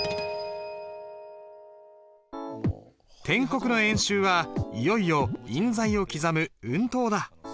篆刻の演習はいよいよ印材を刻む運刀だ。